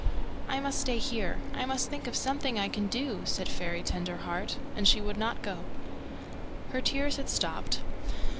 "I must stay here. I must think of something I can do," said Fairy Tenderheart; and she would not go. Her tears had stopped.